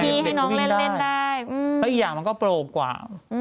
พี่ให้น้องเล่นได้แล้วอีกอย่างมันก็โปรดกว่า